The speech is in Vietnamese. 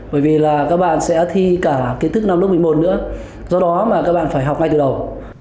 bởi vì là các bạn sẽ thi cả kiến thức năm lớp một mươi một nữa do đó mà các bạn phải học ngay từ đầu